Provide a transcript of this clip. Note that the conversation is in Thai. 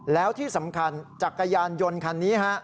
แล้วที่สำคัญจักรยานยนต์คันนี้ฮะ